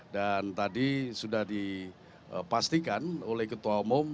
tadi sudah dipastikan oleh ketua umum